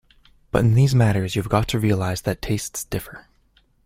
But in these matters you have got to realize that tastes differ.